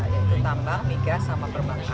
yaitu tambang migas sama perbankan